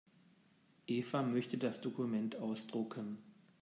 Eva möchte das Dokument ausdrucken.